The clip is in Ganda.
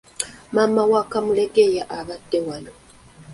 Maama wa Kamulegeya abadde wano.